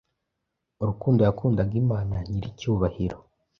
Urukundo yakundaga Imana nyir’icyubahiro,